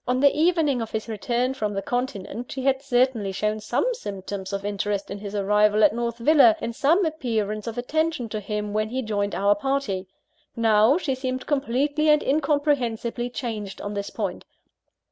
On the evening of his return from the continent, she had certainly shown some symptoms of interest in his arrival at North Villa, and some appearance of attention to him, when he joined our party. Now, she seemed completely and incomprehensibly changed on this point.